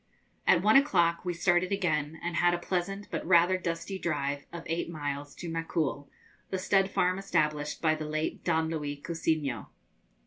At one o'clock we started again, and had a pleasant but rather dusty drive of eight miles to Macul, the stud farm established by the late Don Luis Cousiño.